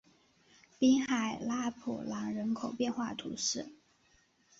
滨海拉普兰人口变化图示